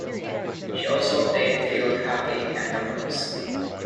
She also played field hockey and lacrosse.